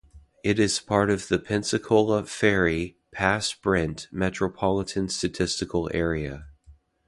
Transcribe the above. It is part of the Pensacola-Ferry Pass-Brent Metropolitan Statistical Area.